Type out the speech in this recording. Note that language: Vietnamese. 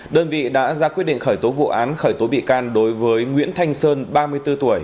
đơn vị đã ra quyết định khởi tố vụ án khởi tố bị can đối với nguyễn thanh sơn ba mươi bốn tuổi